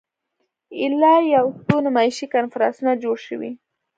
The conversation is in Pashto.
ایله یو څو نمایشي کنفرانسونه جوړ شوي.